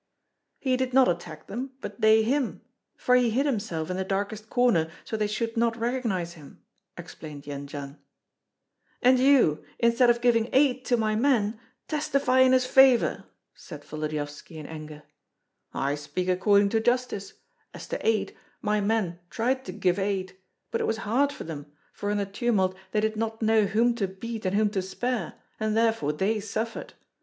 "He did not attack them, but they him; for he hid himself in the darkest corner, so they should not recognize him," explained Jendzian. "And you, instead of giving aid to my men, testify in his favor!" said Volodyovski, in anger. "I speak according to justice. As to aid, my men tried to give aid; but it was hard for them, for in the tumult they did not know whom to beat and whom to spare, and therefore they suffered.